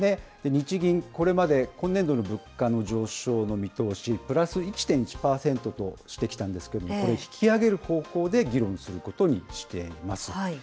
日銀、これまで今年度の物価の上昇の見通し、プラス１．１％としてきたんですけれども、これ、引き上げる方向で議論することにしています。